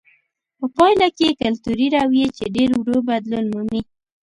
په پایله کې کلتوري رویې چې ډېر ورو بدلون مومي.